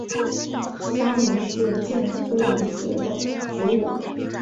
香藜是苋科藜属的植物。